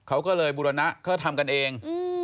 เขาก็เลยบุรณะเขาทำกันเอง